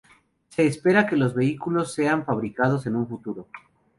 Se espera que estos vehículos sean fabricados en un futuro.